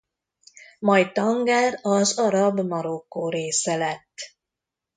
Majd Tanger az arab Marokkó része lett.